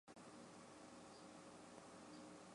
奉司马昭之命弑害魏帝曹髦。